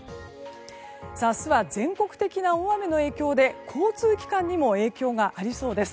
明日は全国的な大雨の影響で交通機関にも影響がありそうです。